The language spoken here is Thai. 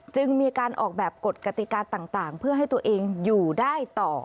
จึงมีการออกแบบกฎกติกาต่างเพื่อให้ตัวเองอยู่ได้ต่อ